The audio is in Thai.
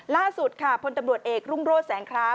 ล่าสุดค่ะพตเอกรุ่งโรจแสงคล้ำ